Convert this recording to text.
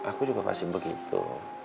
aku juga pasti begitu